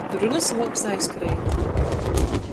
Runys vuoks aizkreit.